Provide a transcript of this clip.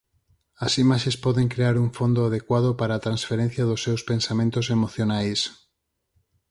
As imaxes poden crear un fondo adecuado para a transferencia dos seus pensamentos emocionais.